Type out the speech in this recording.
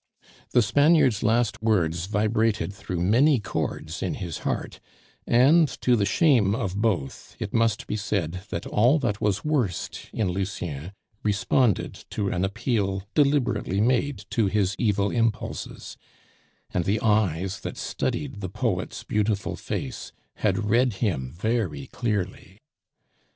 The Spaniard's last words vibrated through many chords in his heart, and, to the shame of both, it must be said that all that was worst in Lucien responded to an appeal deliberately made to his evil impulses, and the eyes that studied the poet's beautiful face had read him very clearly.